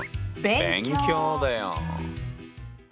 勉強だよ。